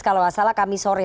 kalau salah kamis sore